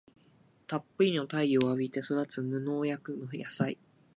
たっぷりの太陽を浴びて育つ無農薬の野菜